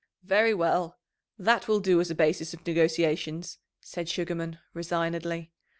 "Very well; that will do as a basis of negotiations," said Sugarman resignedly.